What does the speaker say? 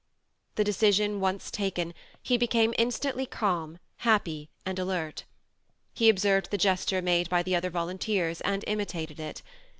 The decision once taken, he became instantly calm, happy and alert. He observed the gesture made by the other volunteers and imitated it.